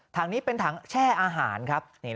ถังนี้เป็นถังแช่อาหารครับ